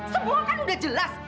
semua kan udah jelas